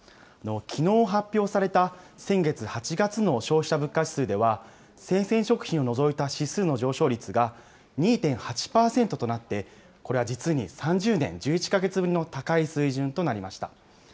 きのう発表された先月・８月の消費者物価指数では、生鮮食品を除いた指数の上昇率が２．８％となって、これは実に３０年１１か月ぶりの高い水準となりました。